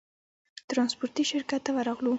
ترانسپورټي شرکت ته ورغلو.